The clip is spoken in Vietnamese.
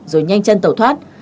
rồi nhanh chân tẩu thoát